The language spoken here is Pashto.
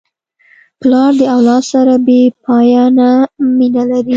پلار د اولاد سره بېپایانه مینه لري.